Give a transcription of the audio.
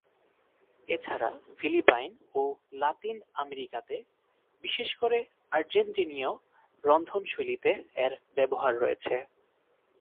এছাড়া ফিলিপাইন ও লাতিন আমেরিকাতে বিশেষ করে আর্জেন্টিনীয় রন্ধনশৈলীতে এর ব্যবহার আছে।